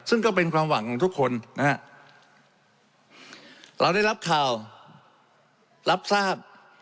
ซึ่งก็เป็นความหวังของทุกคนนะฮะเราได้รับข่าวรับทราบ